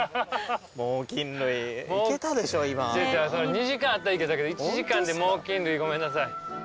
２時間あったら行けたけど１時間で猛禽類ごめんなさい。